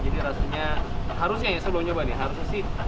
jadi rasanya harusnya ya sebelum nyoba nih harusnya sih sangat amat berhenti